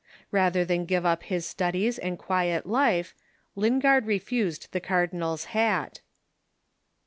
Rather than give up his studies and quiet life, Lingard refused the cardinal's hat.